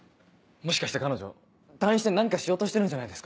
もしかして彼女退院して何かしようとしてるんじゃないですか？